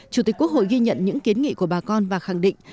chủ tịch quốc hội ghi nhận những kiến nghị của bà con và khẳng định